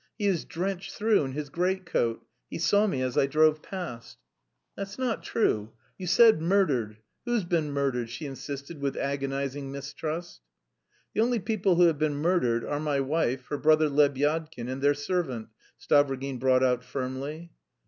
He is drenched through in his greatcoat! He saw me as I drove past." "That's not true. You said 'murdered.'... Who's been murdered?" she insisted with agonising mistrust. "The only people who have been murdered are my wife, her brother Lebyadkin, and their servant," Stavrogin brought out firmly.